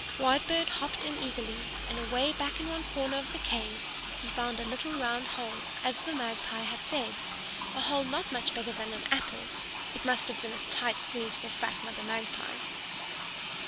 Whitebird hopped in eagerly, and away back in one corner of the cave he found a little round hole, as the Magpie had said; a hole not much bigger than an apple. It must have been a tight squeeze for fat Mother Magpie!